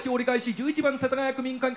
１１番世田谷区民会館。